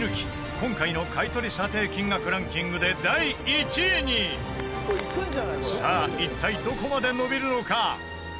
今回の買取査定金額ランキングで第１位にさあ一体、どこまで伸びるのか？